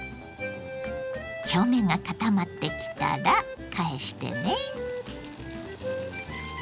表面が固まってきたら返してね。